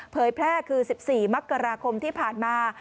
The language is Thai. แพร่คือ๑๔มกราคมที่ผ่านมา